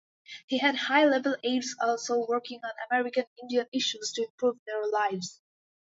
He had high-level aides also working on American Indian issues to improve their lives.